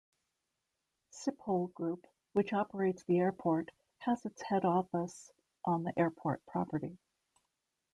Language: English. Schiphol Group, which operates the airport, has its head office on the airport property.